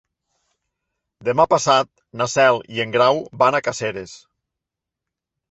Demà passat na Cel i en Grau van a Caseres.